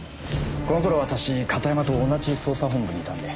この頃私片山と同じ捜査本部にいたんで。